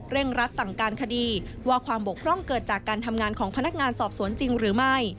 รัฐสั่งการคดีว่าความบกพร่องเกิดจากการทำงานของพนักงานสอบสวนจริงหรือไม่